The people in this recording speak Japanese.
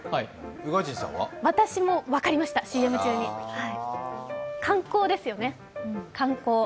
私も分かりました、ＣＭ中に観光ですよね、カンコウ。